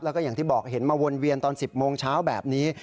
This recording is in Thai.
แล้วก็อย่างที่บอกเห็นมาวนเวียนตอน๑๐โมงเช้าแบบนี้